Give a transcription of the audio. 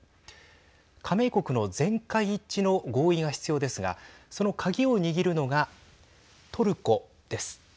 加盟国の全会一致の合意が必要ですがその鍵を握るのがトルコです。